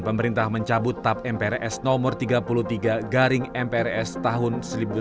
pemerintah mencabut tap mprs nomor tiga puluh tiga garing mprs tahun seribu sembilan ratus sembilan puluh